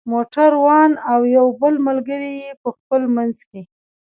موټر وان او یو بل ملګری یې په خپل منځ کې.